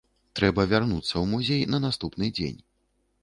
Трэба вярнуцца ў музей на наступны дзень.